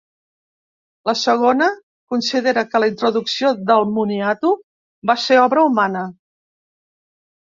La segona considera que la introducció del moniato va ser obra humana.